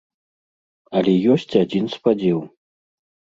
Але ёсць адзін спадзеў.